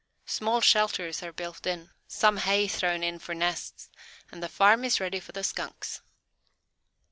Small shelters are built in, some hay thrown in for nests, and the farm is ready for the skunks.